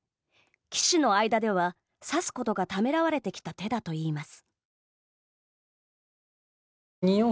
棋士の間では指すことがためらわれてきた手だといいます。